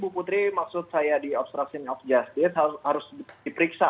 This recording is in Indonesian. kesaksian dari putri candrawati harus diperiksa